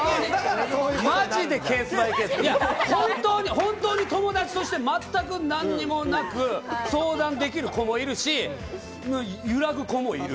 本当に友達として全く何もなく、相談できる子もいるし、揺らぐ子もいる。